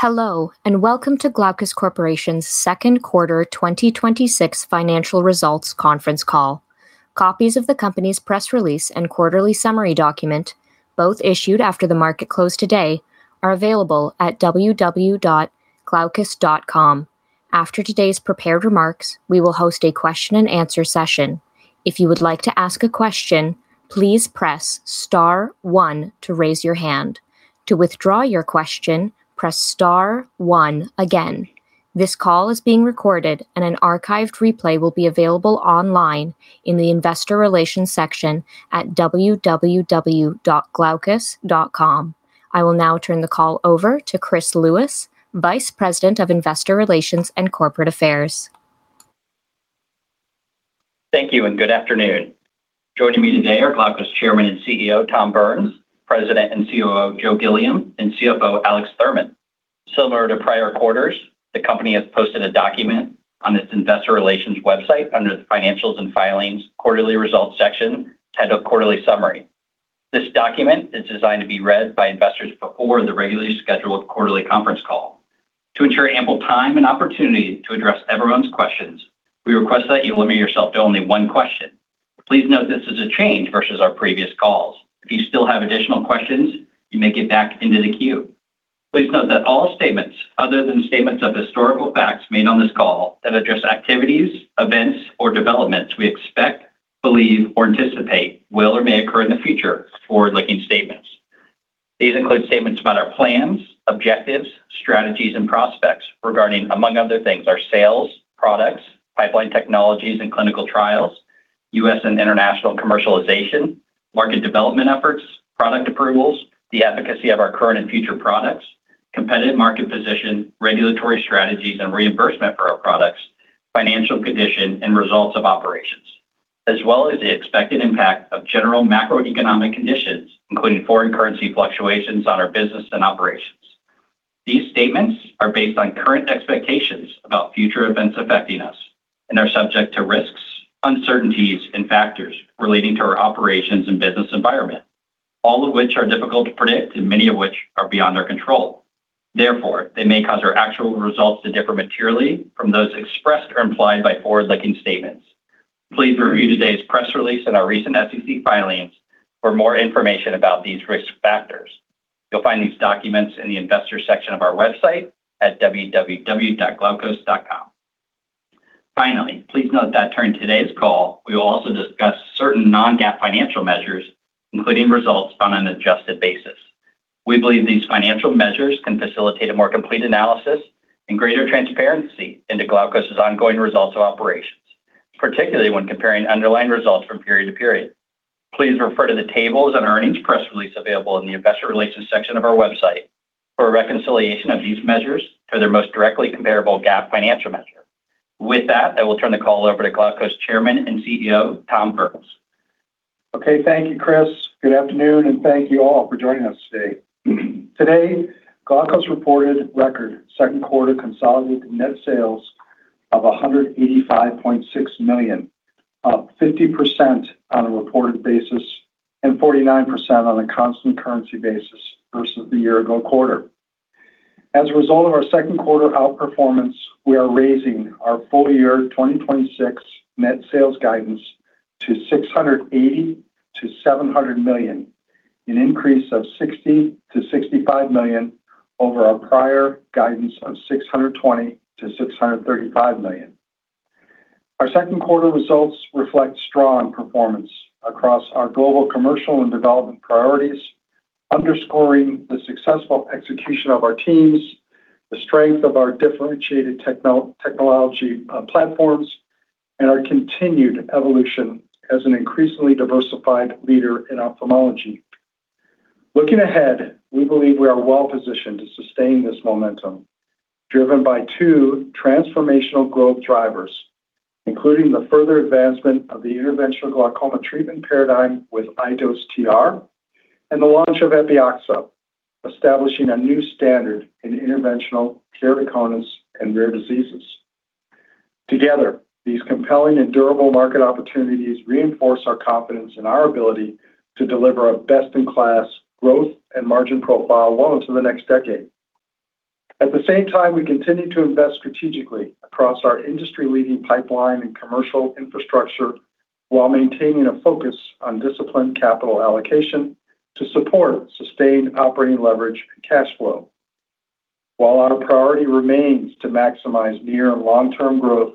Hello and welcome to Glaukos Corporation's second quarter 2026 Financial Results Conference Call. Copies of the company's press release and quarterly summary document, both issued after the market close today, are available at www.glaukos.com. After today's prepared remarks, we will host a question and answer session. If you would like to ask a question, please press star one to raise your hand. To withdraw your question, press star one again. This call is being recorded, and an archived replay will be available online in the investor relations section at www.glaukos.com. I will now turn the call over to Chris Lewis, Vice President of Investor Relations and Corporate Affairs. Thank you and good afternoon. Joining me today are Glaukos Chairman and CEO, Tom Burns, President and COO, Joe Gilliam, and CFO, Alex Thurman. Similar to prior quarters, the company has posted a document on its investor relations website under the financials and filings quarterly results section titled Quarterly Summary. This document is designed to be read by investors before the regularly scheduled quarterly conference call. To ensure ample time and opportunity to address everyone's questions, we request that you limit yourself to only one question. Please note this is a change versus our previous calls. If you still have additional questions, you may get back into the queue. Please note that all statements other than statements of historical facts made on this call that address activities, events, or developments we expect, believe, or anticipate will or may occur in the future forward-looking statements. These include statements about our plans, objectives, strategies, and prospects regarding, among other things, our sales, products, pipeline technologies and clinical trials, U.S. and international commercialization, market development efforts, product approvals, the efficacy of our current and future products, competitive market position, regulatory strategies, and reimbursement for our products, financial condition, and results of operations, as well as the expected impact of general macroeconomic conditions, including foreign currency fluctuations on our business and operations. These statements are based on current expectations about future events affecting us and are subject to risks, uncertainties, and factors relating to our operations and business environment, all of which are difficult to predict and many of which are beyond our control. Therefore, they may cause our actual results to differ materially from those expressed or implied by forward-looking statements. Please review today's press release and our recent SEC filings for more information about these risk factors. You'll find these documents in the investor section of our website at www.glaukos.com. Finally, please note that during today's call, we will also discuss certain non-GAAP financial measures, including results on an adjusted basis. We believe these financial measures can facilitate a more complete analysis and greater transparency into Glaukos' ongoing results of operations, particularly when comparing underlying results from period to period. Please refer to the tables in our earnings press release available in the investor relations section of our website for a reconciliation of these measures to their most directly comparable GAAP financial measure. With that, I will turn the call over to Glaukos Chairman and CEO, Tom Burns. Okay. Thank you, Chris. Good afternoon. Thank you all for joining us today. Today, Glaukos reported record second quarter consolidated net sales of $185.6 million, up 50% on a reported basis and 49% on a constant currency basis versus the year-ago quarter. As a result of our second quarter outperformance, we are raising our full year 2026 net sales guidance to $680 million-$700 million, an increase of $60 million-$65 million over our prior guidance of $620 million-$635 million. Our second quarter results reflect strong performance across our global commercial and development priorities, underscoring the successful execution of our teams, the strength of our differentiated technology platforms, and our continued evolution as an increasingly diversified leader in ophthalmology. Looking ahead, we believe we are well positioned to sustain this momentum, driven by two transformational growth drivers, including the further advancement of the interventional glaucoma treatment paradigm with iDose TR and the launch of Epioxa, establishing a new standard in interventional keratoconus and rare diseases. Together, these compelling and durable market opportunities reinforce our confidence in our ability to deliver a best-in-class growth and margin profile well into the next decade. At the same time, we continue to invest strategically across our industry-leading pipeline and commercial infrastructure while maintaining a focus on disciplined capital allocation to support sustained operating leverage and cash flow. While our priority remains to maximize near and long-term growth,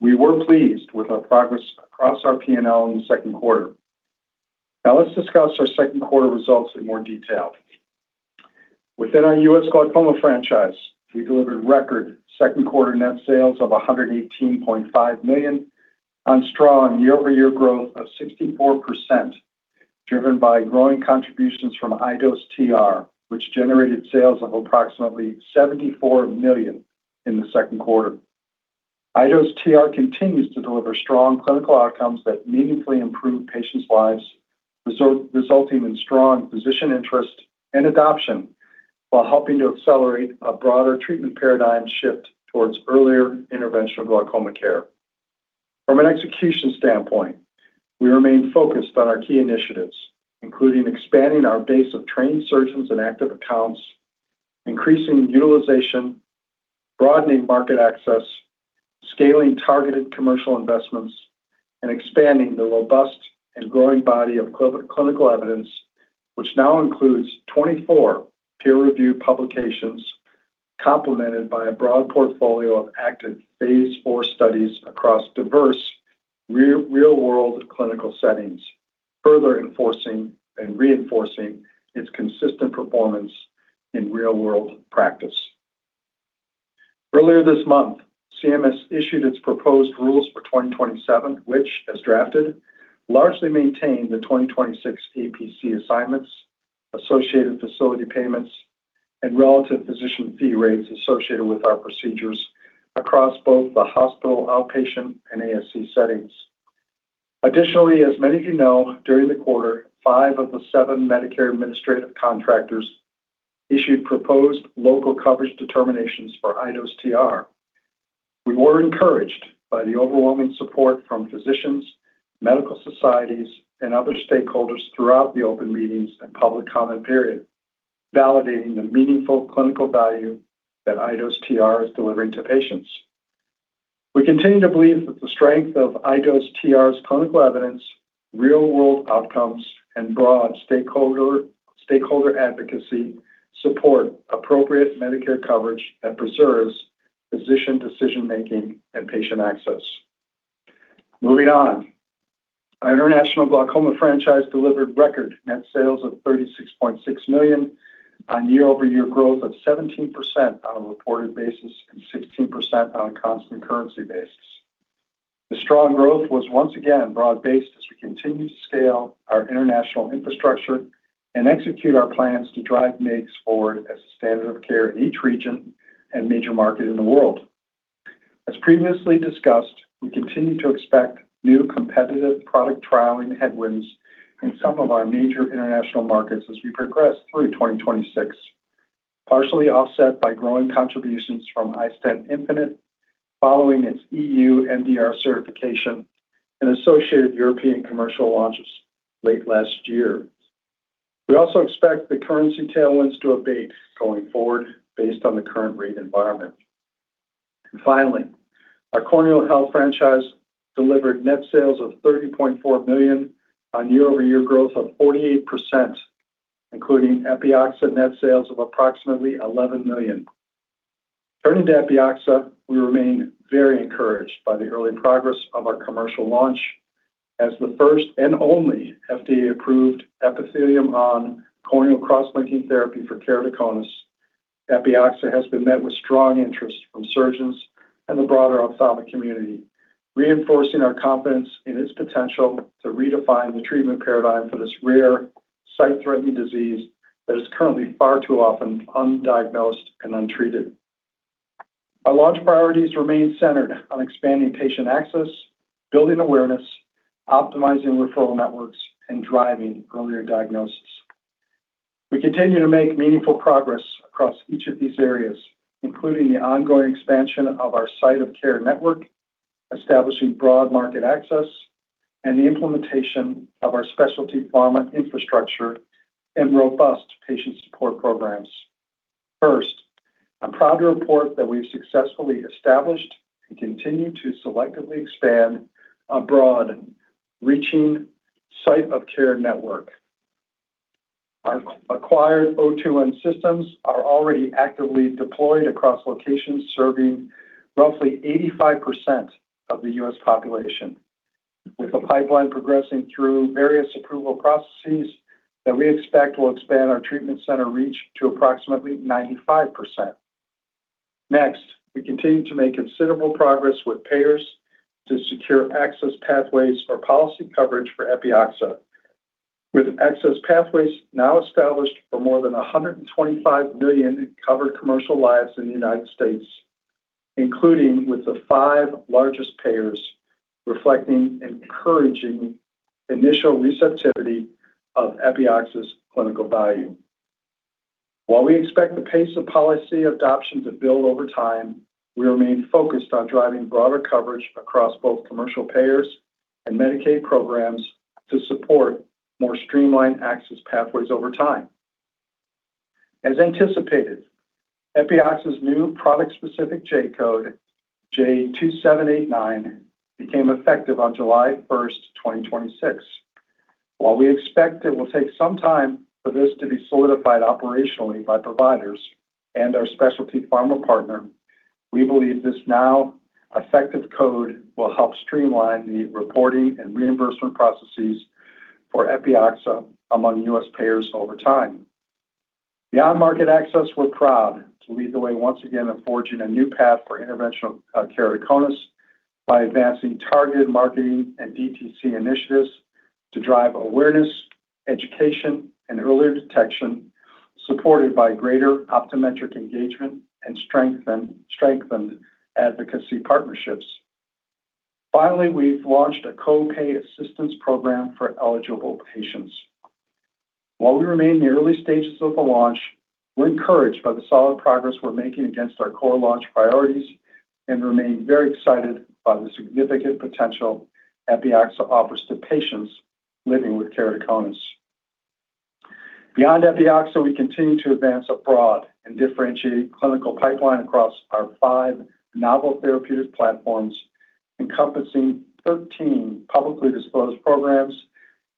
we were pleased with our progress across our P&L in the second quarter. Let's discuss our second quarter results in more detail. Within our U.S. glaucoma franchise, we delivered record second quarter net sales of $118.5 million on strong year-over-year growth of 64%, driven by growing contributions from iDose TR, which generated sales of approximately $74 million in the second quarter. iDose TR continues to deliver strong clinical outcomes that meaningfully improve patients' lives, resulting in strong physician interest and adoption while helping to accelerate a broader treatment paradigm shift towards earlier interventional glaucoma care. From an execution standpoint, we remain focused on our key initiatives, including expanding our base of trained surgeons and active accounts, increasing utilization, broadening market access, scaling targeted commercial investments, and expanding the robust and growing body of clinical evidence, which now includes 24 peer-reviewed publications, complemented by a broad portfolio of active phase IV studies across diverse real-world clinical settings, further reinforcing its consistent performance in real-world practice. Earlier this month, CMS issued its proposed rules for 2027, which, as drafted, largely maintain the 2026 APC assignments, associated facility payments, and relative physician fee rates associated with our procedures across both the hospital outpatient and ASC settings. As many of you know, during the quarter, five of the seven Medicare Administrative Contractors issued proposed local coverage determinations for iDose TR. We were encouraged by the overwhelming support from physicians, medical societies, and other stakeholders throughout the open meetings and public comment period, validating the meaningful clinical value that iDose TR is delivering to patients. We continue to believe that the strength of iDose TR's clinical evidence, real-world outcomes, and broad stakeholder advocacy support appropriate Medicare coverage that preserves physician decision-making and patient access. Moving on. Our International Glaucoma franchise delivered record net sales of $36.6 million on year-over-year growth of 17% on a reported basis and 16% on a constant currency basis. The strong growth was once again broad-based as we continue to scale our international infrastructure and execute our plans to drive MIGS forward as a standard of care in each region and major market in the world. As previously discussed, we continue to expect new competitive product trialing headwinds in some of our major international markets as we progress through 2026, partially offset by growing contributions from iStent infinite following its EU MDR certification and associated European commercial launches late last year. We also expect the currency tailwinds to abate going forward based on the current rate environment. Finally, our Corneal Health franchise delivered net sales of $30.4 million on year-over-year growth of 48%, including Epioxa net sales of approximately $11 million. Turning to Epioxa, we remain very encouraged by the early progress of our commercial launch as the first and only FDA-approved epithelium-on corneal cross-linking therapy for keratoconus. Epioxa has been met with strong interest from surgeons and the broader ophthalmic community, reinforcing our confidence in its potential to redefine the treatment paradigm for this rare, sight-threatening disease that is currently far too often undiagnosed and untreated. Our launch priorities remain centered on expanding patient access, building awareness, optimizing referral networks, and driving earlier diagnosis. We continue to make meaningful progress across each of these areas, including the ongoing expansion of our site of care network, establishing broad market access, and the implementation of our specialty pharma infrastructure and robust patient support programs. First, I'm proud to report that we've successfully established and continue to selectively expand a broad, reaching site of care network. Our acquired O2n systems are already actively deployed across locations serving roughly 85% of the U.S. population, with a pipeline progressing through various approval processes that we expect will expand our treatment center reach to approximately 95%. Next, we continue to make considerable progress with payers to secure access pathways for policy coverage for Epioxa, with access pathways now established for more than 125 million covered commercial lives in the United States, including with the five largest payers, reflecting encouraging initial receptivity of Epioxa's clinical value. While we expect the pace of policy adoption to build over time, we remain focused on driving broader coverage across both commercial payers and Medicaid programs to support more streamlined access pathways over time. As anticipated, Epioxa's new product-specific J-code, J2789, became effective on July 1st, 2026. While we expect it will take some time for this to be solidified operationally by providers and our specialty pharma partner, we believe this now-effective code will help streamline the reporting and reimbursement processes for Epioxa among U.S. payers over time. Beyond market access, we're proud to lead the way once again in forging a new path for interventional keratoconus by advancing targeted marketing and DTC initiatives to drive awareness, education, and earlier detection, supported by greater optometric engagement and strengthened advocacy partnerships. Finally, we've launched a co-pay assistance program for eligible patients. While we remain in the early stages of the launch, we're encouraged by the solid progress we're making against our core launch priorities and remain very excited by the significant potential Epioxa offers to patients living with keratoconus. Beyond Epioxa, we continue to advance a broad and differentiated clinical pipeline across our five novel therapeutic platforms, encompassing 13 publicly disclosed programs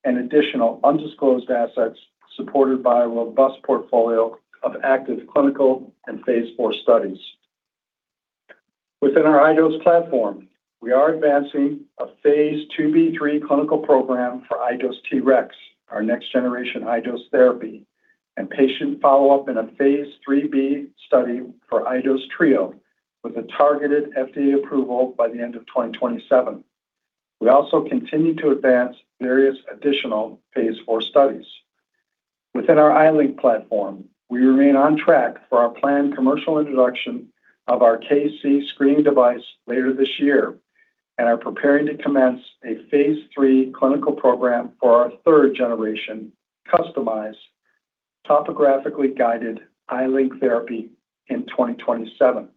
and additional undisclosed assets supported by a robust portfolio of active clinical and phase IV studies. Within our iDose platform, we are advancing a phase II-B/III clinical program for iDose TREX, our next generation iDose therapy, and patient follow-up in a phase III-B study for iDose Trio with a targeted FDA approval by the end of 2027. We also continue to advance various additional phase IV studies. Within our iLink platform, we remain on track for our planned commercial introduction of our KC screening device later this year, and are preparing to commence a phase III clinical program for our third generation customized topographically guided iLink therapy in 2027.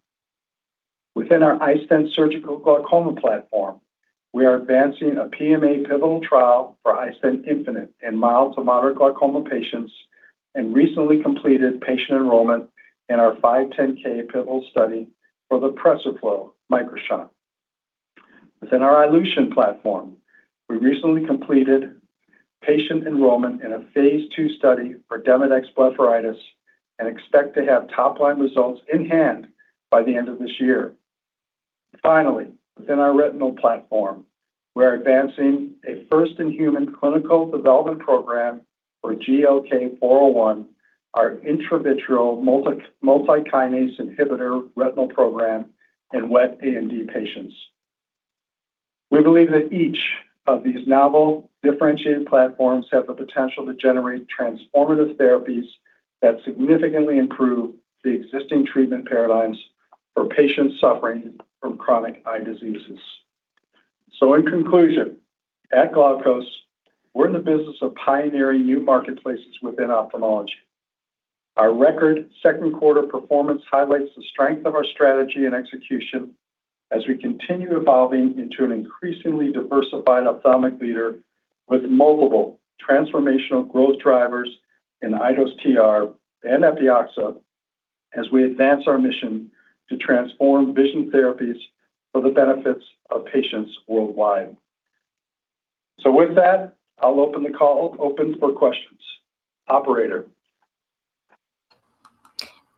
Within our iStent surgical glaucoma platform, we are advancing a PMA pivotal trial for iStent infinite in mild to moderate glaucoma patients and recently completed patient enrollment in our 510(k) pivotal study for the PRESERFLO MicroShunt. Within our iLution platform, we recently completed patient enrollment in a phase II study for demodex blepharitis and expect to have top-line results in hand by the end of this year. Finally, within our retinal platform, we are advancing a first-in-human clinical development program for GLK-401, our intravitreal multikinase inhibitor retinal program in wet AMD patients. We believe that each of these novel differentiated platforms have the potential to generate transformative therapies that significantly improve the existing treatment paradigms for patients suffering from chronic eye diseases. In conclusion, at Glaukos, we're in the business of pioneering new marketplaces within ophthalmology. Our record second quarter performance highlights the strength of our strategy and execution as we continue evolving into an increasingly diversified ophthalmic leader with multiple transformational growth drivers in iDose TR and Epioxa as we advance our mission to transform vision therapies for the benefits of patients worldwide. With that, I'll open the call for questions. Operator.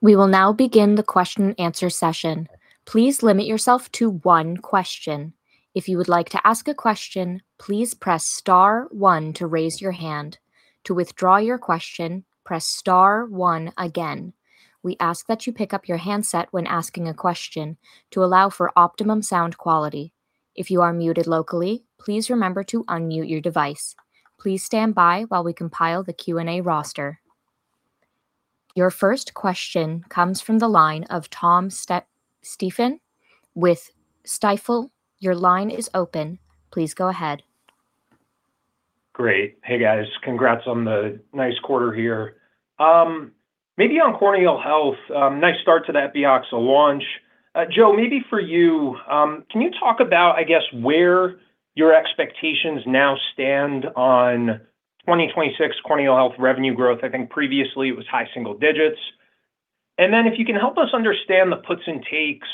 We will now begin the question and answer session. Please limit yourself to one question. If you would like to ask a question, please press star one to raise your hand. To withdraw your question, press star one again. We ask that you pick up your handset when asking a question to allow for optimum sound quality. If you are muted locally, please remember to unmute your device. Please stand by while we compile the Q&A roster. Your first question comes from the line of Tom Stephan with Stifel. Your line is open. Please go ahead. Great. Hey, guys. Congrats on the nice quarter here. Maybe on corneal health, nice start to that Epioxa launch. Joe, maybe for you, can you talk about, I guess, where your expectations now stand on 2026 corneal health revenue growth? I think previously it was high single digits. If you can help us understand the puts and takes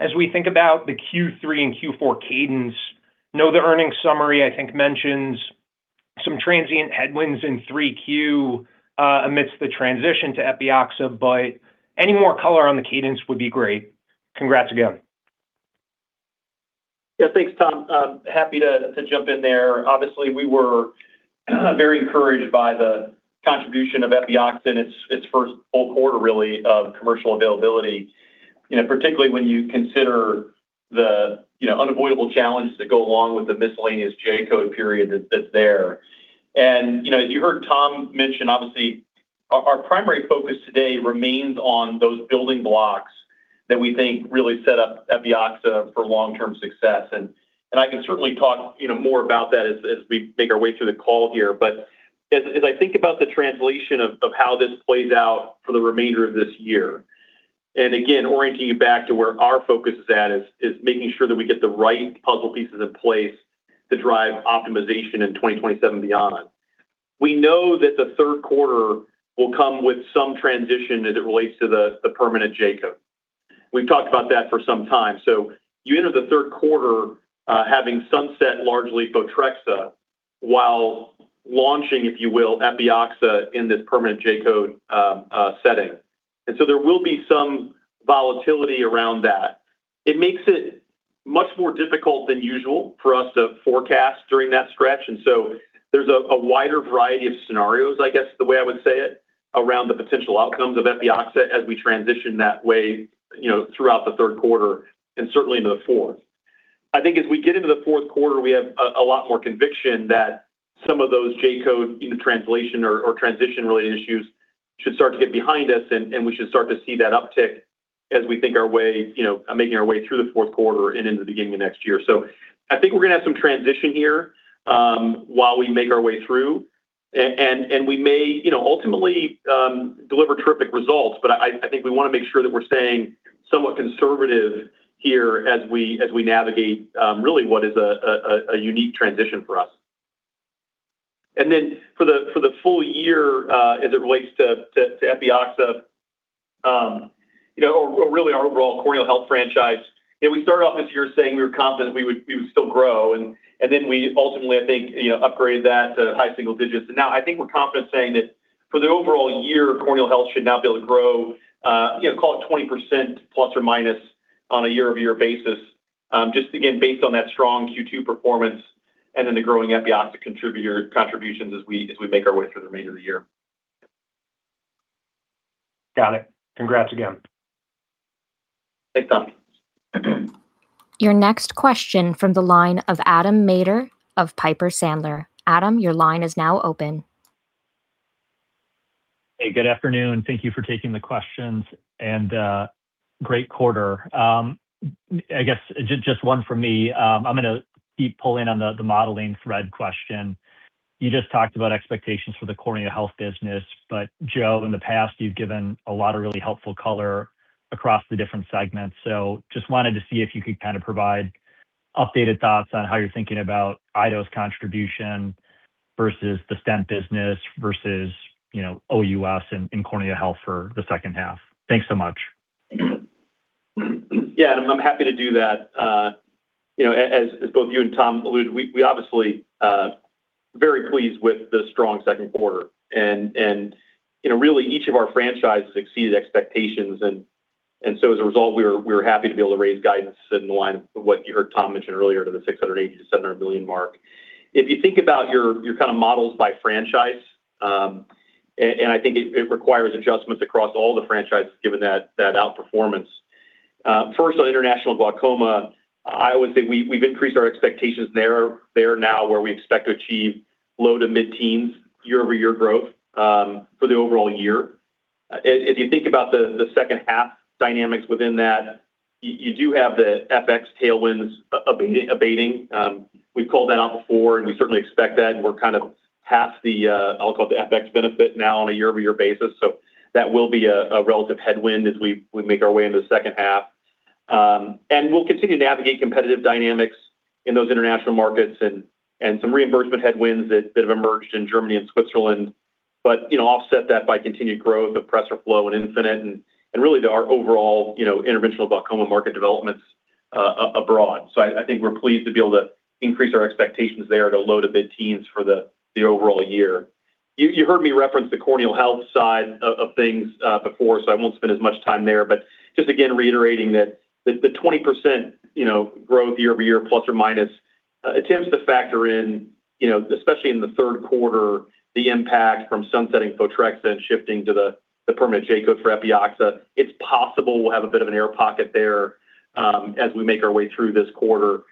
as we think about the Q3 and Q4 cadence. Know the earnings summary, I think, mentions some transient headwinds in 3Q amidst the transition to Epioxa. Any more color on the cadence would be great. Congrats again. Yeah. Thanks, Tom. Happy to jump in there. Obviously, we were very encouraged by the contribution of Epioxa in its first full quarter, really, of commercial availability. Particularly when you consider the unavoidable challenges that go along with the miscellaneous J-code period that's there. As you heard Tom mention, obviously, our primary focus today remains on those building blocks that we think really set up Epioxa for long-term success. I can certainly talk more about that as we make our way through the call here. As I think about the translation of how this plays out for the remainder of this year, and again, orienting you back to where our focus is at, is making sure that we get the right puzzle pieces in place to drive optimization in 2027 and beyond. We know that the third quarter will come with some transition as it relates to the permanent J-code. We've talked about that for some time. You enter the third quarter having sunset largely Photrexa while launching, if you will, Epioxa in this permanent J-code setting. There will be some volatility around that. It makes it much more difficult than usual for us to forecast during that stretch. There's a wider variety of scenarios, I guess the way I would say it, around the potential outcomes of Epioxa as we transition that way throughout the third quarter, and certainly into the fourth. As we get into the fourth quarter, we have a lot more conviction that some of those J-code translation or transition-related issues should start to get behind us. We should start to see that uptick as we think making our way through the fourth quarter and into the beginning of next year. We're going to have some transition here while we make our way through. We may ultimately deliver terrific results. We want to make sure that we're staying somewhat conservative here as we navigate really what is a unique transition for us. For the full year, as it relates to Epioxa, or really our overall corneal health franchise, we started off this year saying we were confident we would still grow, then we ultimately, I think, upgraded that to high single digits. now I think we're confident saying that for the overall year, corneal health should now be able to grow, call it 20% ± on a year-over-year basis. Just again, based on that strong Q2 performance and then the growing Epioxa contributions as we make our way through the remainder of the year. Got it. Congrats again. Thanks, Tom. Your next question from the line of Adam Maeder of Piper Sandler. Adam, your line is now open. Hey, good afternoon. Thank you for taking the questions, and great quarter. I guess just one from me. I'm going to keep pulling on the modeling thread question. You just talked about expectations for the corneal health business. Joe, in the past, you've given a lot of really helpful color across the different segments. Just wanted to see if you could kind of provide updated thoughts on how you're thinking about iDose contribution versus the stent business versus OUS in corneal health for the second half. Thanks so much. Yeah, I'm happy to do that. As both you and Tom alluded, we're obviously very pleased with the strong second quarter, and really each of our franchises exceeded expectations, and so as a result, we were happy to be able to raise guidance in line with what you heard Tom mention earlier to the $680 million-$700 million mark. If you think about your kind of models by franchise, and I think it requires adjustments across all the franchises given that outperformance. First on international glaucoma, I would say we've increased our expectations there now where we expect to achieve low to mid-teens year-over-year growth for the overall year. If you think about the second half dynamics within that, you do have the FX tailwinds abating. We've called that out before, and we certainly expect that, and we're kind of past the, I'll call it the FX benefit now on a year-over-year basis. That will be a relative headwind as we make our way into the second half. We'll continue to navigate competitive dynamics in those international markets and some reimbursement headwinds that have emerged in Germany and Switzerland. Offset that by continued growth of PRESERFLO and Infinite and really to our overall interventional glaucoma market developments abroad. I think we're pleased to be able to increase our expectations there to low to mid-teens for the overall year. You heard me reference the corneal health side of things before, so I won't spend as much time there. Just again, reiterating that the 20% growth year-over-year plus or minus attempts to factor in, especially in the third quarter, the impact from sunsetting Photrexa and shifting to the permanent J-code for Epioxa. It's possible we'll have a bit of an air pocket there as we make our way through this quarter.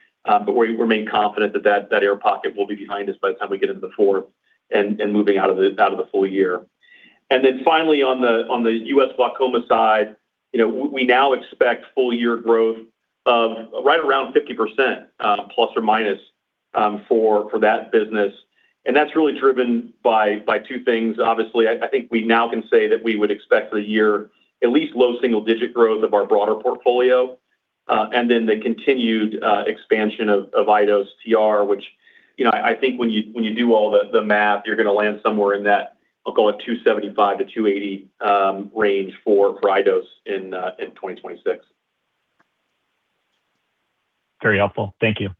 We remain confident that that air pocket will be behind us by the time we get into the fourth and moving out of the full year. Finally on the U.S. glaucoma side, we now expect full year growth of right around 50% ± for that business. That's really driven by two things. Obviously, I think we now can say that we would expect for the year at least low single digit growth of our broader portfolio. The continued expansion of iDose TR, which I think when you do all the math, you're going to land somewhere in that, I'll c all it $275 million-$280 million range for iDose in 2026. Very helpful. Thank you.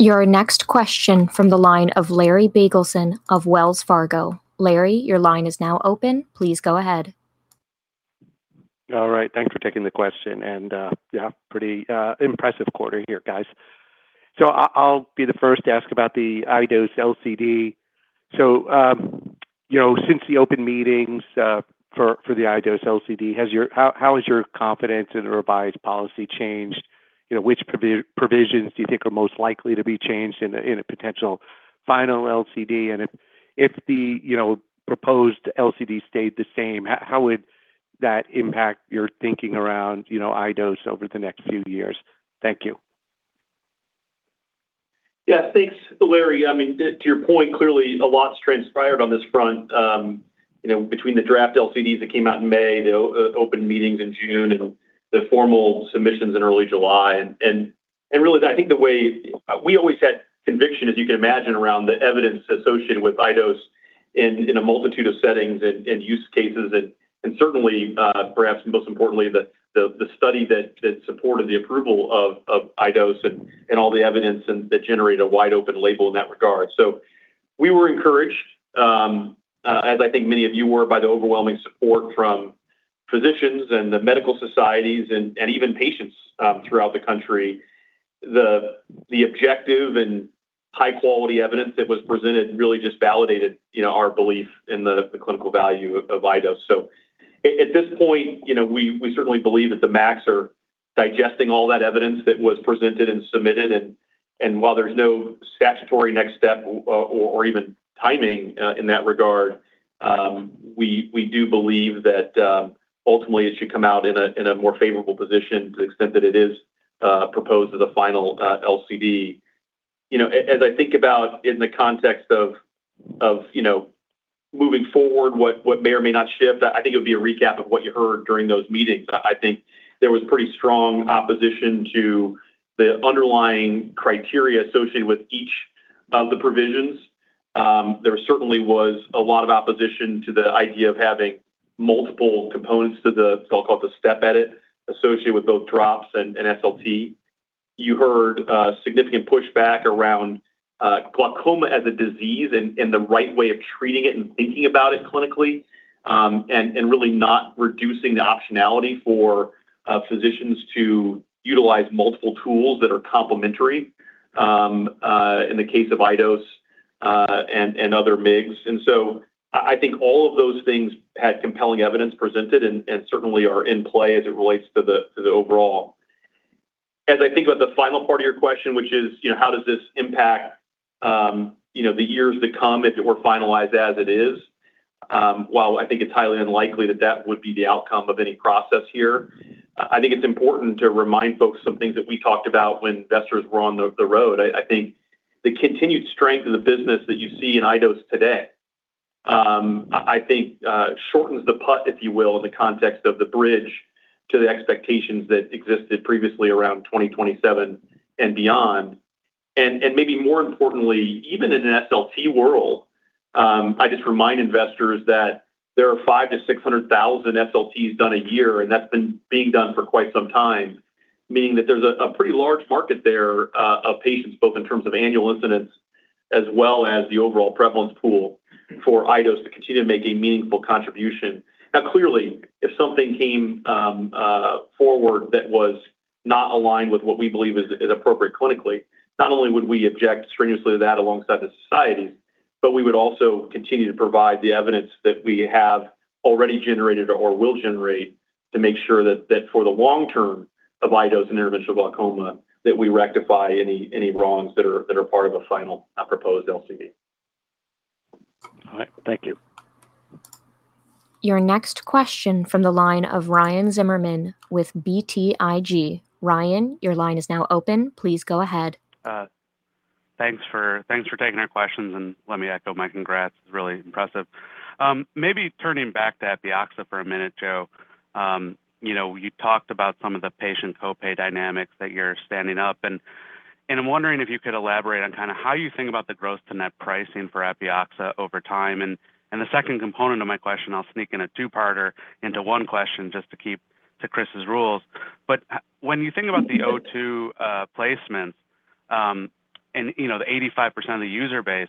Your next question from the line of Larry Biegelsen of Wells Fargo. Larry, your line is now open. Please go ahead. All right. Thanks for taking the question, yeah, pretty impressive quarter here, guys. I'll be the first to ask about the iDose LCD. Since the open meetings for the iDose LCD, how has your confidence in a revised policy changed? Which provisions do you think are most likely to be changed in a potential final LCD? If the proposed LCD stayed the same, how would that impact your thinking around iDose over the next few years? Thank you. Thanks, Larry. To your point, clearly a lot's transpired on this front between the draft LCDs that came out in May, the open meetings in June, and the formal submissions in early July. Really, I think the way we always had conviction, as you can imagine, around the evidence associated with iDose in a multitude of settings and use cases, and certainly perhaps most importantly, the study that supported the approval of iDose and all the evidence that generated a wide open label in that regard. We were encouraged, as I think many of you were, by the overwhelming support from physicians and the medical societies and even patients throughout the country. The objective and high-quality evidence that was presented really just validated our belief in the clinical value of iDose. At this point, we certainly believe that the MACs are digesting all that evidence that was presented and submitted. While there's no statutory next step or even timing in that regard, we do believe that ultimately it should come out in a more favorable position to the extent that it is proposed as a final LCD. As I think about in the context of moving forward, what may or may not shift, I think it would be a recap of what you heard during those meetings. I think there was pretty strong opposition to the underlying criteria associated with each of the provisions. There certainly was a lot of opposition to the idea of having multiple components to the so-called the step edit associated with both drops and SLT. You heard significant pushback around glaucoma as a disease and the right way of treating it and thinking about it clinically, really not reducing the optionality for physicians to utilize multiple tools that are complementary in the case of iDose and other MIGS. I think all of those things had compelling evidence presented and certainly are in play as it relates to the overall. As I think about the final part of your question, which is, how does this impact the years to come if it were finalized as it is? While I think it's highly unlikely that that would be the outcome of any process here, I think it's important to remind folks some things that we talked about when investors were on the road. I think the continued strength of the business that you see in iDose today, I think shortens the putt, if you will, in the context of the bridge to the expectations that existed previously around 2027 and beyond. Maybe more importantly, even in an SLT world, I just remind investors that there are five to 600,000 SLTs done a year, and that's been being done for quite some time, meaning that there's a pretty large market there of patients, both in terms of annual incidents as well as the overall prevalence pool for iDose to continue to make a meaningful contribution. Clearly, if something came forward that was not aligned with what we believe is appropriate clinically, not only would we object strenuously to that alongside the societies, but we would also continue to provide the evidence that we have already generated or will generate to make sure that for the long term of iDose and interventional glaucoma, that we rectify any wrongs that are part of a final proposed LCD. All right. Thank you. Your next question from the line of Ryan Zimmerman with BTIG. Ryan, your line is now open. Please go ahead. Thanks for taking our questions, let me echo my congrats. Really impressive. Maybe turning back to Epioxa for a minute, Joe. You talked about some of the patient co-pay dynamics that you're standing up, I'm wondering if you could elaborate on how you think about the gross to net pricing for Epioxa over time. The second component of my question, I'll sneak in a two-parter into one question just to keep to Chris's rules. When you think about the O2 placements, and the 85% of the user base,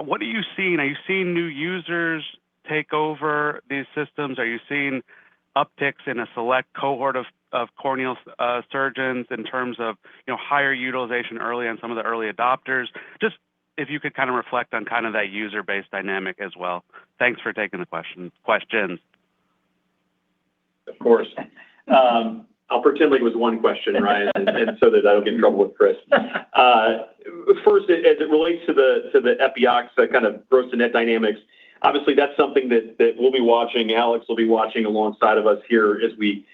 what are you seeing? Are you seeing new users take over these systems? Are you seeing upticks in a select cohort of corneal surgeons in terms of higher utilization early on some of the early adopters? Just if you could reflect on that user base dynamic as well. Thanks for taking the questions. Of course. I'll pretend like it was one question, Ryan, that I don't get in trouble with Chris. First, as it relates to the Epioxa kind of gross to net dynamics, obviously, that's something that we'll be watching, Alex will be watching alongside of us here as we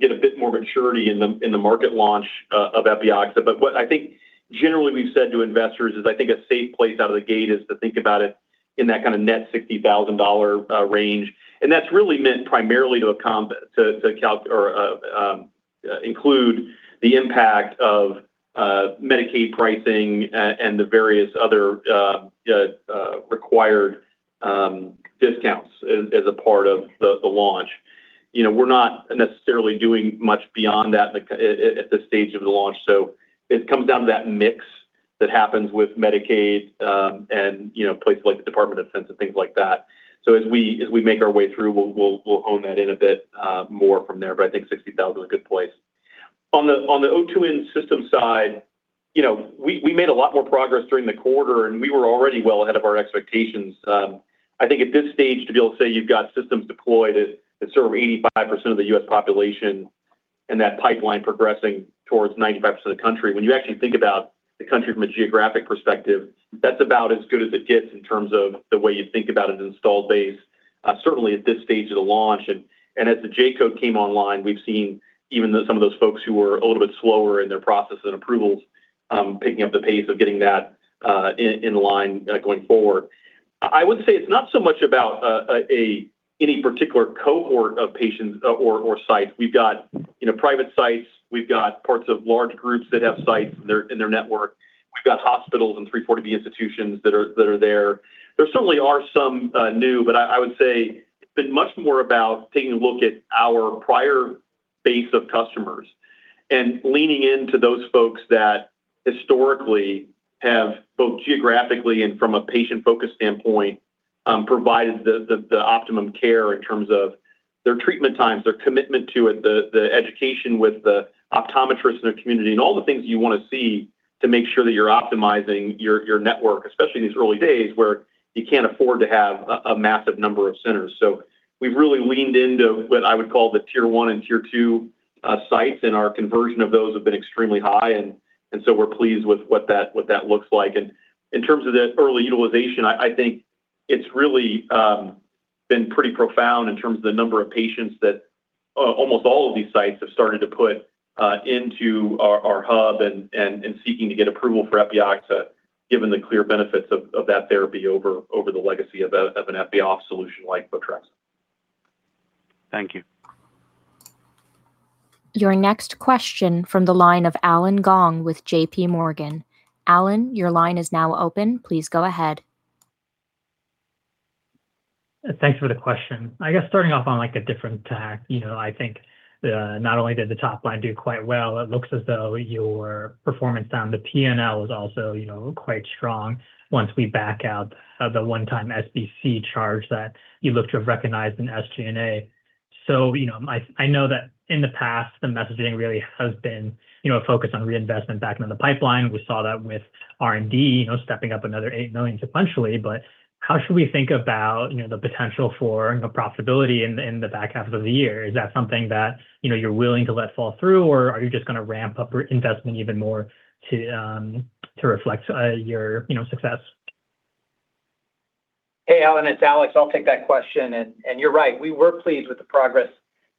get a bit more maturity in the market launch of Epioxa. What I think generally we've said to investors is I think a safe place out of the gate is to think about it in that kind of net $60,000 range. That's really meant primarily to include the impact of Medicaid pricing and the various other required discounts as a part of the launch. We're not necessarily doing much beyond that at this stage of the launch. It comes down to that mix that happens with Medicaid and places like the Department of Defense and things like that. As we make our way through, we'll hone that in a bit more from there. I think $60,000 is a good place. On the O2n System side, we made a lot more progress during the quarter, and we were already well ahead of our expectations. I think at this stage, to be able to say you've got systems deployed that serve 85% of the U.S. population and that pipeline progressing towards 95% of the country, when you actually think about the country from a geographic perspective, that's about as good as it gets in terms of the way you think about an installed base, certainly at this stage of the launch. As the J-code came online, we've seen even some of those folks who were a little bit slower in their process and approvals, picking up the pace of getting that in line going forward. I would say it's not so much about any particular cohort of patients or sites. We've got private sites. We've got parts of large groups that have sites in their network. We've got hospitals and 340B institutions that are there. There certainly are some new, but I would say it's been much more about taking a look at our prior base of customers and leaning into those folks that historically have both geographically and from a patient-focused standpoint, provided the optimum care in terms of their treatment times. Their commitment to it, the education with the optometrists in the community, and all the things you want to see to make sure that you're optimizing your network, especially in these early days where you can't afford to have a massive number of centers. We've really leaned into what I would call the Tier 1 and Tier 2 sites, and our conversion of those have been extremely high. We're pleased with what that looks like. In terms of the early utilization, I think it's really been pretty profound in terms of the number of patients that almost all of these sites have started to put into our hub and seeking to get approval for Epioxa, given the clear benefits of that therapy over the legacy of an epi-off solution like Photrexa. Thank you. Your next question from the line of Allen Gong with JPMorgan. Allen, your line is now open. Please go ahead. Thanks for the question. I guess starting off on a different tack, I think not only did the top line do quite well, it looks as though your performance on the P&L is also quite strong once we back out of the one-time SBC charge that you look to have recognized in SG&A. I know that in the past, the messaging really has been focused on reinvestment back into the pipeline. We saw that with R&D stepping up another $8 million sequentially. How should we think about the potential for profitability in the back half of the year? Is that something that you're willing to let fall through, or are you just going to ramp up investment even more to reflect your success? Hey, Allen, it's Alex. I'll take that question. You're right, we were pleased with the progress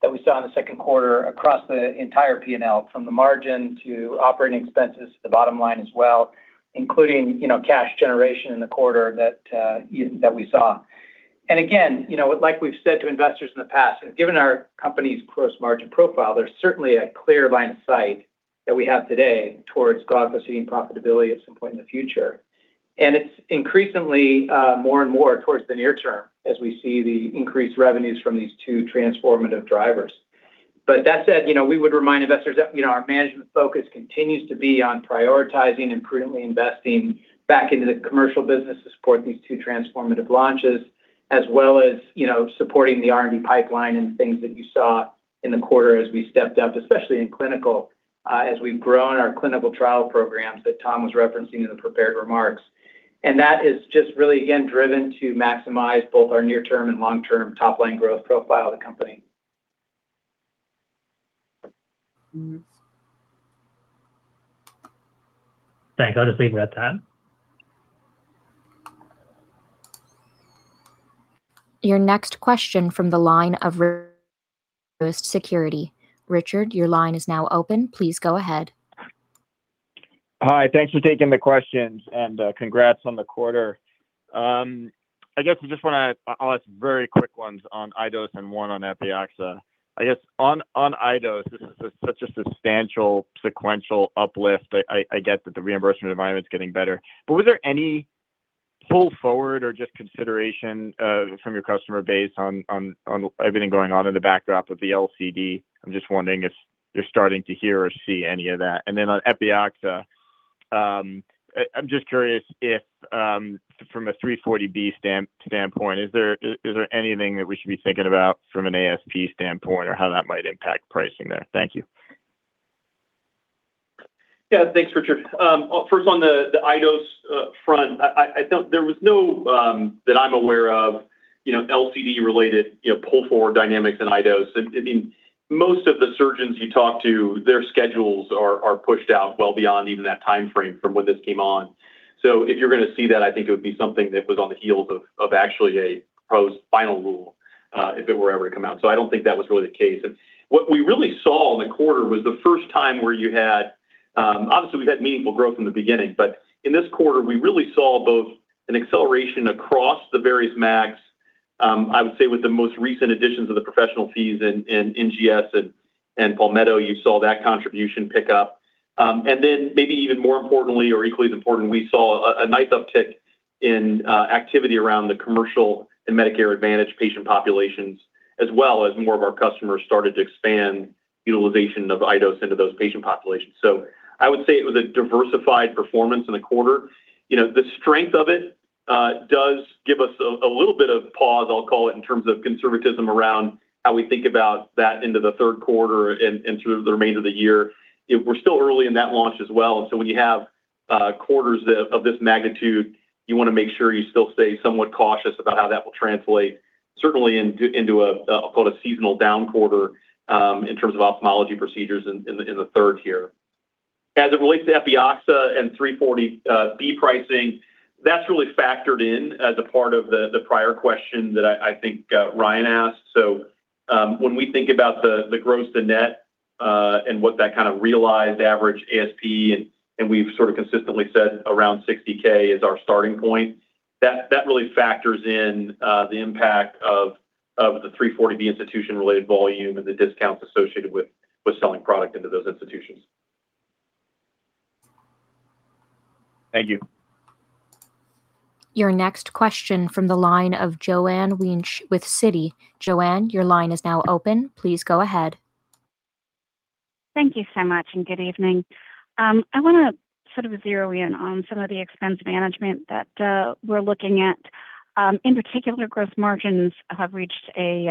that we saw in the second quarter across the entire P&L, from the margin to operating expenses to the bottom line as well, including cash generation in the quarter that we saw. Again, like we've said to investors in the past, given our company's gross margin profile, there's certainly a clear line of sight that we have today towards Glaukos seeing profitability at some point in the future. It's increasingly more and more towards the near term as we see the increased revenues from these two transformative drivers. That said, we would remind investors that our management focus continues to be on prioritizing and prudently investing back into the commercial business to support these two transformative launches, as well as supporting the R&D pipeline and things that you saw in the quarter as we stepped up, especially in clinical, as we've grown our clinical trial programs that Tom was referencing in the prepared remarks. That is just really, again, driven to maximize both our near-term and long-term top line growth profile of the company. Thanks. I'll just leave it at that. Your next question from the line of Truist Securities. Richard, your line is now open. Please go ahead. Hi, thanks for taking the questions and congrats on the quarter. I guess I just want to ask very quick ones on iDose and one on Epioxa. I guess on iDose, this is such a substantial sequential uplift. I get that the reimbursement environment is getting better, but was there any pull forward or just consideration from your customer base on everything going on in the backdrop of the LCD? I'm just wondering if you're starting to hear or see any of that. Then on Epioxa, I'm just curious if from a 340B standpoint, is there anything that we should be thinking about from an ASP standpoint or how that might impact pricing there? Thank you. Thanks, Richard. First, on the iDose front, I felt there was no, that I'm aware of, LCD-related pull-forward dynamics in iDose. Most of the surgeons you talk to, their schedules are pushed out well beyond even that time frame from when this came on. If you're going to see that, I think it would be something that was on the heels of actually a proposed final rule, if it were ever to come out. I don't think that was really the case. What we really saw in the quarter was the first time where, obviously, we've had meaningful growth from the beginning, but in this quarter, we really saw both an acceleration across the various MACs. I would say with the most recent additions of the professional fees in NGS and Palmetto, you saw that contribution pick up. Maybe even more importantly or equally as important, we saw a nice uptick in activity around the commercial and Medicare Advantage patient populations, as well as more of our customers started to expand utilization of iDose into those patient populations. I would say it was a diversified performance in the quarter. The strength of it does give us a little bit of pause, I'll call it, in terms of conservatism around how we think about that into the third quarter and through the remainder of the year. We're still early in that launch as well, when you have quarters of this magnitude, you want to make sure you still stay somewhat cautious about how that will translate, certainly into a quote unquote, "seasonal down quarter" in terms of ophthalmology procedures in the third here. As it relates to Epioxa and 340B pricing, that's really factored in as a part of the prior question that I think Ryan asked. When we think about the gross to net and what that kind of realized average ASP, and we've sort of consistently said around $60K is our starting point, that really factors in the impact of the 340B institution-related volume and the discounts associated with selling product into those institutions. Thank you. Your next question from the line of Joanne Wuensch with Citi. Joanne, your line is now open. Please go ahead. Thank you so much, and good evening. I want to zero in on some of the expense management that we're looking at. In particular, gross margins have reached a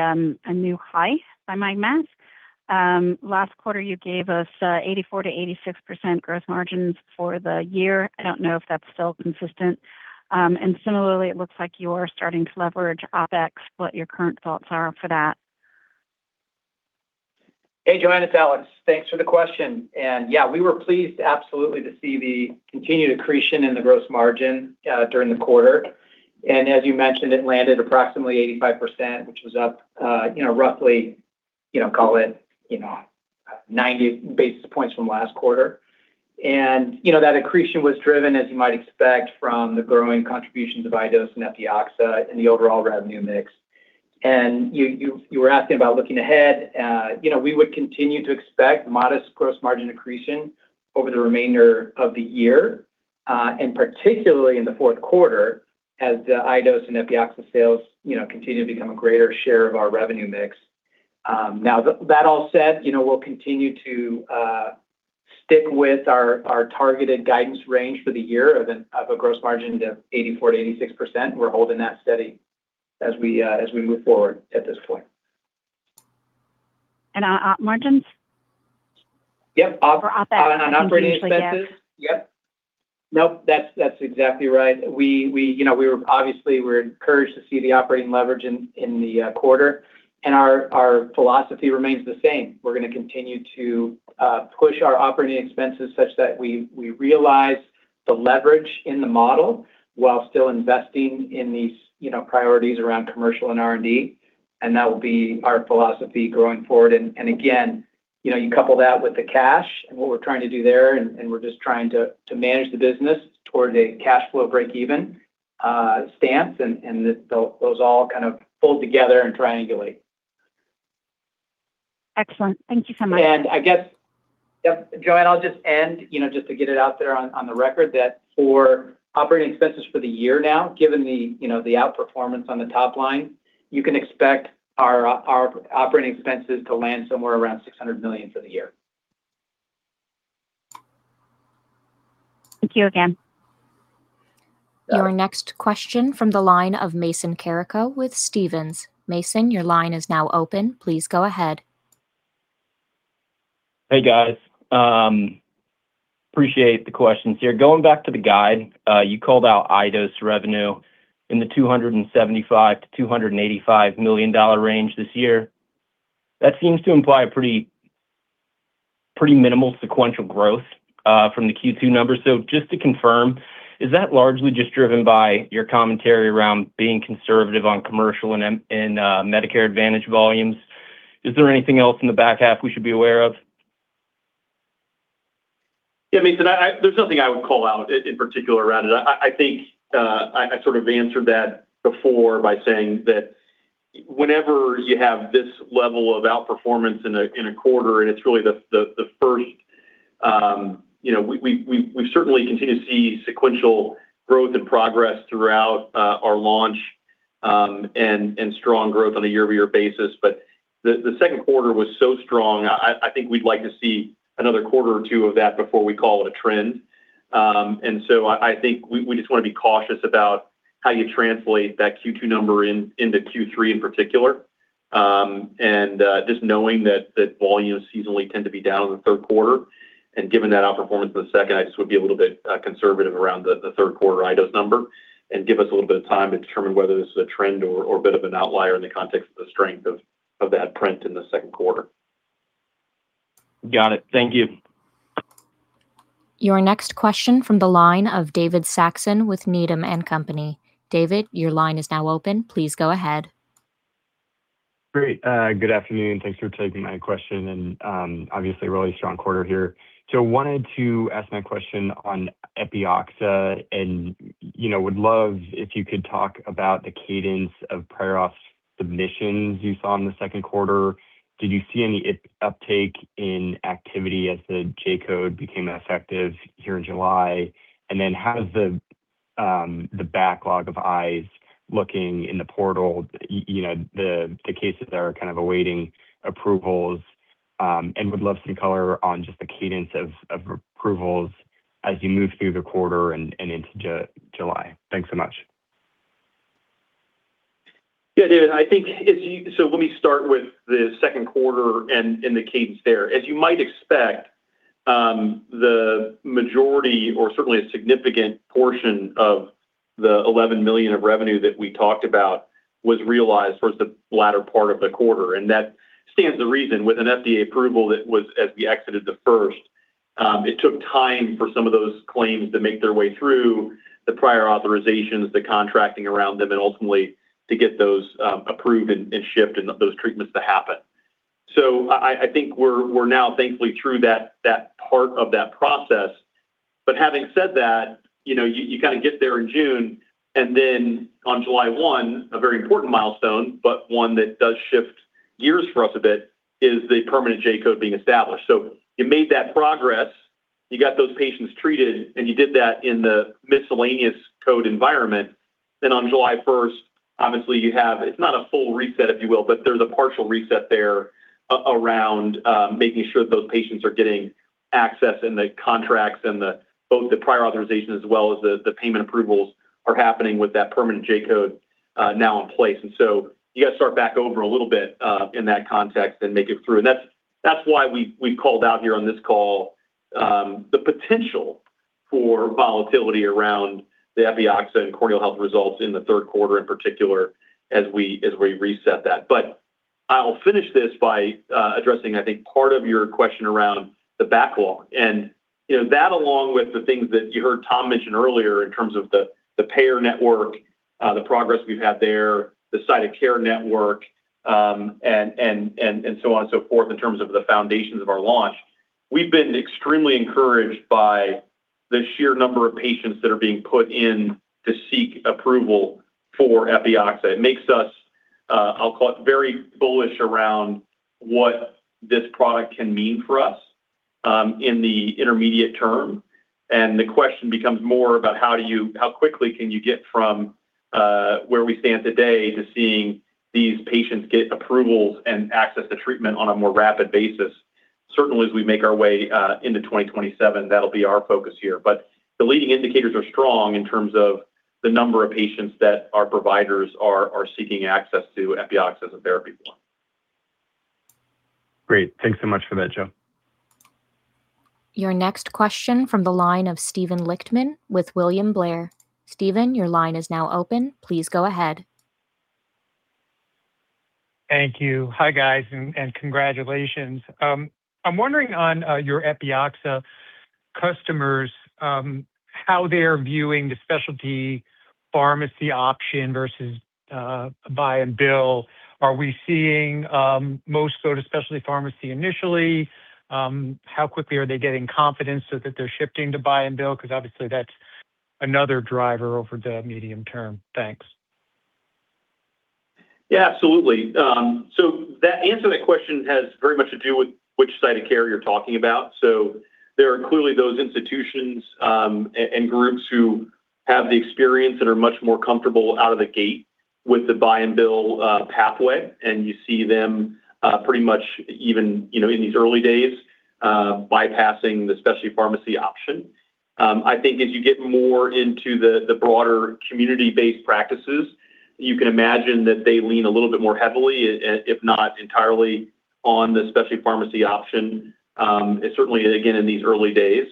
new high by my math. Last quarter, you gave us 84%-86% growth margins for the year. I don't know if that's still consistent. Similarly, it looks like you are starting to leverage OpEx, what your current thoughts are for that. Hey, Joanne, it's Alex. Thanks for the question. Yeah, we were pleased absolutely to see the continued accretion in the gross margin during the quarter. As you mentioned, it landed approximately 85%, which was up roughly, call it, 90 basis points from last quarter. That accretion was driven, as you might expect, from the growing contributions of iDose and Epioxa and the overall revenue mix. You were asking about looking ahead. We would continue to expect modest gross margin accretion over the remainder of the year, particularly in the fourth quarter as the iDose and Epioxa sales continue to become a greater share of our revenue mix. Now, that all said, we'll continue to stick with our targeted guidance range for the year of a gross margin of 84%-86%. We're holding that steady as we move forward at this point. Our op margins? Yep. For OpEx, I'm hearing you say yes. On operating expenses. Yep. Nope, that's exactly right. Obviously, we're encouraged to see the operating leverage in the quarter, our philosophy remains the same. We're going to continue to push our operating expenses such that we realize the leverage in the model while still investing in these priorities around commercial and R&D, that will be our philosophy going forward. Again, you couple that with the cash and what we're trying to do there, we're just trying to manage the business toward a cash flow breakeven stance, those all kind of fold together and triangulate. Excellent. Thank you so much. I guess, Joanne, I'll just end, just to get it out there on the record, that for operating expenses for the year now, given the outperformance on the top line, you can expect our operating expenses to land somewhere around $600 million for the year. Thank you again. Your next question from the line of Mason Carrico with Stephens. Mason, your line is now open. Please go ahead. Hey, guys. Appreciate the questions here. Going back to the guide, you called out iDose revenue in the $275 million-$285 million range this year. Just to confirm, is that largely just driven by your commentary around being conservative on commercial and Medicare Advantage volumes? Is there anything else in the back half we should be aware of? Yeah, Mason, there's nothing I would call out in particular around it. I think I sort of answered that before by saying that whenever you have this level of outperformance in a quarter, We certainly continue to see sequential growth and progress throughout our launch, and strong growth on a year-over-year basis. The second quarter was so strong, I think we'd like to see another quarter or two of that before we call it a trend. I think we just want to be cautious about how you translate that Q2 number into Q3 in particular. Just knowing that volumes seasonally tend to be down in the third quarter, and given that outperformance in the second, I just would be a little bit conservative around the third quarter iDose number and give us a little bit of time to determine whether this is a trend or a bit of an outlier in the context of the strength of that print in the second quarter. Got it. Thank you. Your next question from the line of David Saxon with Needham & Company. David, your line is now open. Please go ahead. Great. Good afternoon. Thanks for taking my question. Obviously a really strong quarter here. Wanted to ask my question on Epioxa, and would love if you could talk about the cadence of prior auth submissions you saw in the second quarter. Did you see any uptake in activity as the J-code became effective here in July? Then how does the backlog of PAs looking in the portal, the cases that are kind of awaiting approvals, and would love some color on just the cadence of approvals as you move through the quarter and into July. Thanks so much. David. Let me start with the second quarter and the cadence there. As you might expect, the majority or certainly a significant portion of the $11 million of revenue that we talked about was realized towards the latter part of the quarter. That stands to reason with an FDA approval that was as we exited the first. It took time for some of those claims to make their way through the prior authorizations, the contracting around them, and ultimately to get those approved and shift those treatments to happen. I think we're now thankfully through that part of that process. Having said that, you kind of get there in June, then on July 1, a very important milestone, but one that does shift gears for us a bit is the permanent J-code being established. You made that progress You got those patients treated, and you did that in the miscellaneous code environment. On July 1, obviously you have, it's not a full reset, if you will, but there's a partial reset there around making sure that those patients are getting access and the contracts and both the prior authorization as well as the payment approvals are happening with that permanent J-code now in place. You got to start back over a little bit, in that context and make it through. That's why we called out here on this call, the potential for volatility around the Epioxa and corneal health results in the third quarter in particular as we reset that. I'll finish this by addressing, I think, part of your question around the backlog and that along with the things that you heard Tom mention earlier in terms of the payer network, the progress we've had there, the site of care network, and so on and so forth, in terms of the foundations of our launch. We've been extremely encouraged by the sheer number of patients that are being put in to seek approval for Epioxa. It makes us, I'll call it, very bullish around what this product can mean for us in the intermediate term. The question becomes more about how quickly can you get from where we stand today to seeing these patients get approvals and access to treatment on a more rapid basis. Certainly, as we make our way into 2027, that'll be our focus here. The leading indicators are strong in terms of the number of patients that our providers are seeking access to Epioxa as a therapy form. Great. Thanks much for that, Joe. Your next question from the line of Steven Lichtman with William Blair. Steven, your line is now open. Please go ahead. Thank you. Hi, guys, congratulations. I'm wondering on your Epioxa customers, how they're viewing the specialty pharmacy option versus buy and bill. Are we seeing most go to specialty pharmacy initially? How quickly are they getting confidence so that they're shifting to buy and bill? Obviously that's another driver over the medium term. Thanks. Yeah, absolutely. The answer to that question has very much to do with which side of care you're talking about. There are clearly those institutions, and groups who have the experience and are much more comfortable out of the gate with the buy and bill pathway. You see them pretty much even in these early days, bypassing the specialty pharmacy option. I think as you get more into the broader community-based practices, you can imagine that they lean a little bit more heavily, if not entirely, on the specialty pharmacy option. Certainly, again, in these early days.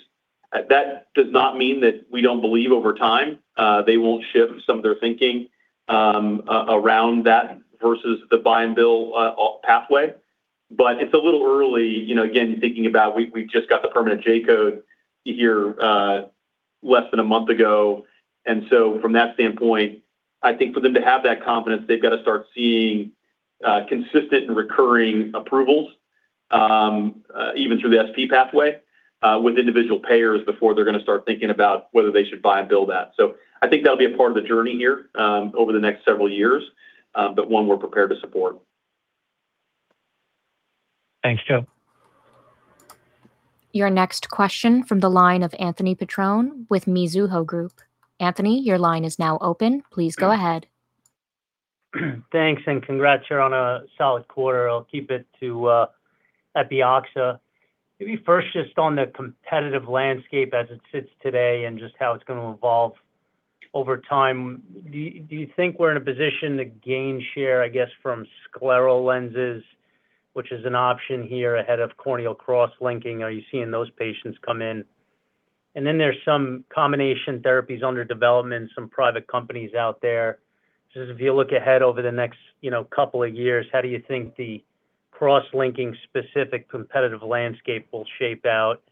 That does not mean that we don't believe over time they won't shift some of their thinking around that versus the buy and bill pathway. It's a little early, again, thinking about we just got the permanent J-code here less than a month ago. From that standpoint, I think for them to have that confidence, they've got to start seeing consistent and recurring approvals, even through the SP pathway, with individual payers before they're going to start thinking about whether they should buy and bill that. I think that'll be a part of the journey here, over the next several years, but one we're prepared to support. Thanks, Joe. Your next question from the line of Anthony Petrone with Mizuho Group. Anthony, your line is now open. Please go ahead. Thanks and congrats here on a solid quarter. I'll keep it to Epioxa. Maybe first just on the competitive landscape as it sits today and just how it's going to evolve over time. Do you think we're in a position to gain share, I guess, from scleral lenses, which is an option here ahead of corneal cross-linking? Are you seeing those patients come in? Then there's some combination therapies under development, some private companies out there. Just if you look ahead over the next couple of years, how do you think the cross-linking specific competitive landscape will shape out,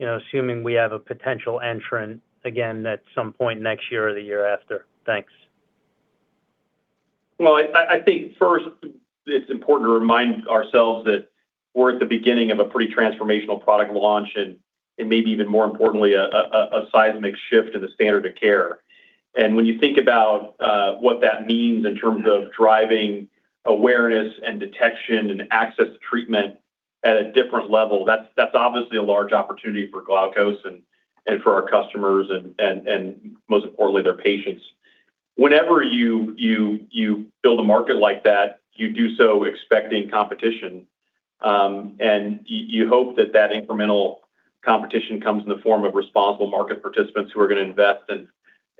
assuming we have a potential entrant again at some point next year or the year after? Thanks. I think first it's important to remind ourselves that we're at the beginning of a pretty transformational product launch and maybe even more importantly, a seismic shift in the standard of care. When you think about what that means in terms of driving awareness and detection and access to treatment at a different level, that's obviously a large opportunity for Glaukos and for our customers and most importantly, their patients. Whenever you build a market like that, you do so expecting competition, and you hope that that incremental competition comes in the form of responsible market participants who are going to invest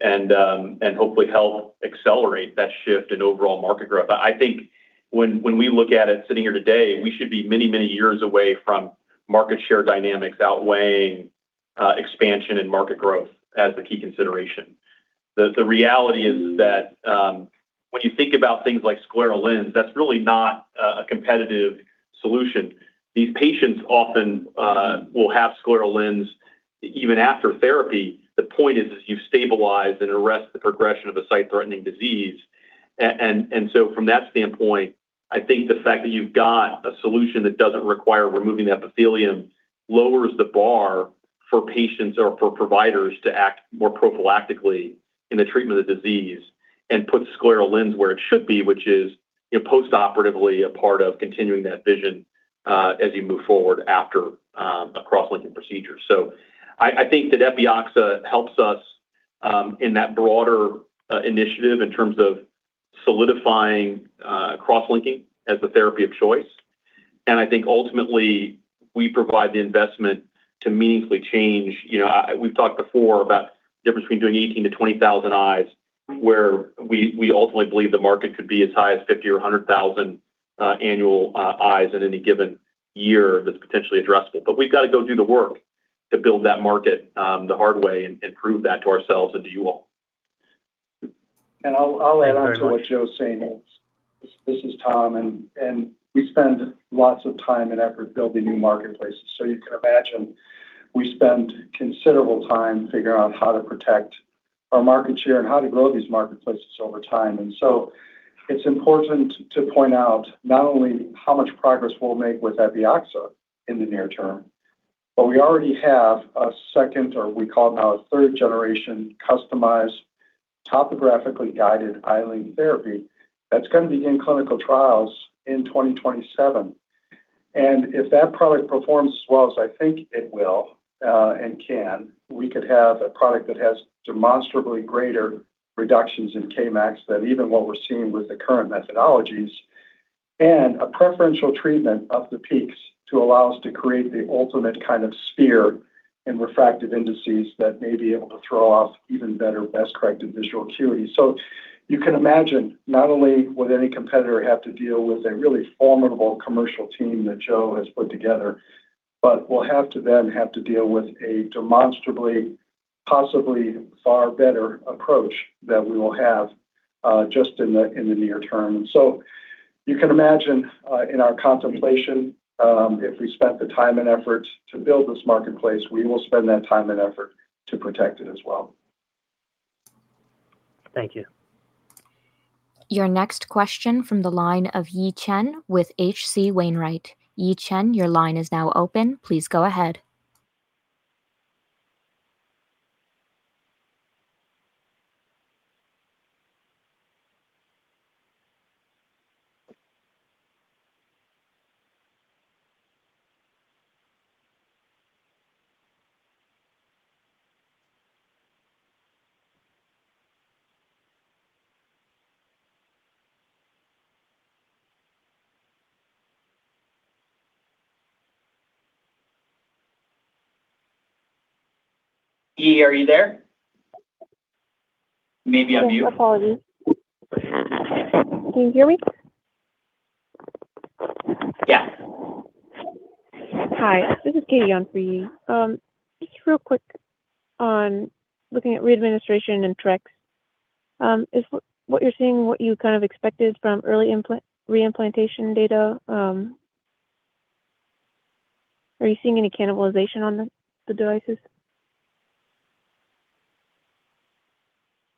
and hopefully help accelerate that shift in overall market growth. I think when we look at it sitting here today, we should be many, many years away from market share dynamics outweighing expansion and market growth as the key consideration. The reality is that when you think about things like scleral lens, that's really not a competitive solution. These patients often will have scleral lens even after therapy. The point is you've stabilized and arrest the progression of a sight-threatening disease. From that standpoint, I think the fact that you've got a solution that doesn't require removing the epithelium lowers the bar for patients or for providers to act more prophylactically in the treatment of the disease. Put the scleral lens where it should be, which is postoperatively a part of continuing that vision as you move forward after a cross-linking procedure. I think that Epioxa helps us in that broader initiative in terms of solidifying cross-linking as the therapy of choice. I think ultimately we provide the investment to meaningfully change. We've talked before about the difference between doing 18,000-20,000 eyes, where we ultimately believe the market could be as high as 50,000 or 100,000 annual eyes in any given year that's potentially addressable. We've got to go do the work to build that market the hard way and prove that to ourselves and to you all. I'll add on to what Joe's saying. This is Tom. We spend lots of time and effort building new marketplaces. You can imagine we spend considerable time figuring out how to protect our market share and how to grow these marketplaces over time. It's important to point out not only how much progress we'll make with Epioxa in the near term, but we already have a second, or we call it now a third generation, customized topographically guided iLink therapy that's going to begin clinical trials in 2027. If that product performs as well as I think it will and can, we could have a product that has demonstrably greater reductions in Kmax than even what we're seeing with the current methodologies. A preferential treatment of the peaks to allow us to create the ultimate kind of sphere in refractive indices that may be able to throw off even better, best corrected visual acuity. You can imagine not only would any competitor have to deal with a really formidable commercial team that Joe has put together, but will have to then have to deal with a demonstrably, possibly far better approach that we will have just in the near term. You can imagine in our contemplation, if we spent the time and effort to build this marketplace, we will spend that time and effort to protect it as well. Thank you. Your next question from the line of Yi Chen with H.C. Wainwright. Yi Chen, your line is now open. Please go ahead. Yi, are you there? Maybe on mute. Yes, apologies. Can you hear me? Yes. Hi, this is Katie on for Yi. Just real quick on looking at re administration and TREX. Is what you're seeing what you kind of expected from early re-implantation data? Are you seeing any cannibalization on the devices?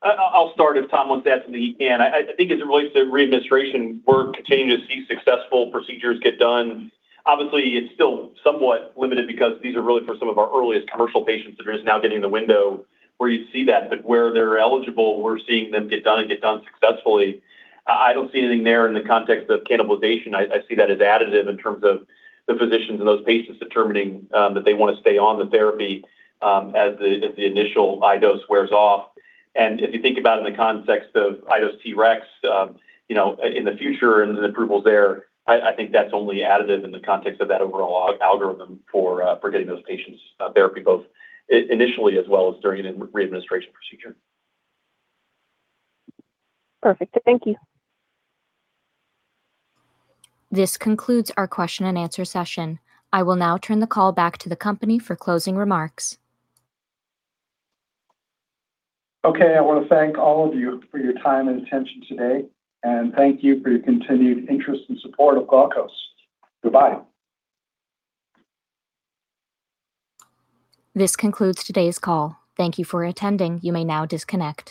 I'll start if Tom wants to add something he can. I think as it relates to re administration, we're continuing to see successful procedures get done. Obviously, it's still somewhat limited because these are really for some of our earliest commercial patients that are just now getting in the window where you see that. Where they're eligible, we're seeing them get done and get done successfully. I don't see anything there in the context of cannibalization. I see that as additive in terms of the physicians and those patients determining that they want to stay on the therapy as the initial iDose wears off. If you think about it in the context of iDose TREX in the future and the approvals there, I think that's only additive in the context of that overall algorithm for getting those patients therapy both initially as well as during a re administration procedure. Perfect. Thank you. This concludes our question and answer session. I will now turn the call back to the company for closing remarks. Okay, I want to thank all of you for your time and attention today, and thank you for your continued interest and support of Glaukos. Goodbye. This concludes today's call. Thank you for attending. You may now disconnect.